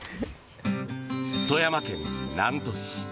富山県南砺市。